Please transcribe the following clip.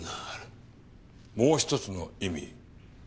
もう１つの意味？